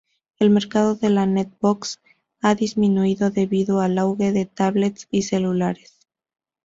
El mercado de las netbooks ha disminuido debido al auge de tablets y celulares.